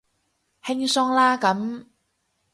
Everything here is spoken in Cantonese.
輕鬆啦咁